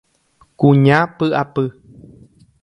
Kuña py'apy.